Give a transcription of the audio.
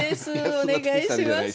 お願いします。